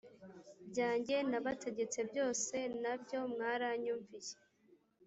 byanjye nabategetse byose na byo mwaranyumviye